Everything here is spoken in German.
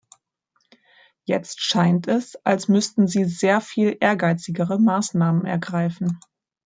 Jetzt scheint es, als müssten Sie sehr viel ehrgeizigere Maßnahmen ergreifen.